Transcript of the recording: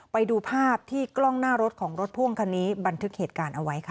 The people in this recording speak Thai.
ไปดูภาพที่กล้องหน้ารถของรถพ่วงคันนี้บันทึกเหตุการณ์เอาไว้ค่ะ